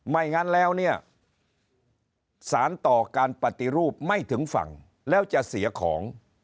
ไม่งั้นแล้วเนี่ยสารต่อการปฏิรูปไม่ถึงฝั่งแล้วจะเสียของ